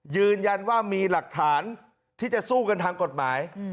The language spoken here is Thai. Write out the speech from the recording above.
ยืนยันว่ามีหลักฐานที่จะสู้กันทางกฎหมาย